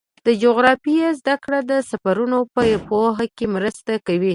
د جغرافیې زدهکړه د سفرونو په پوهه کې مرسته کوي.